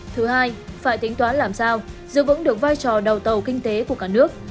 thứ hai phải tính toán làm sao giữ vững được vai trò đầu tàu kinh tế của cả nước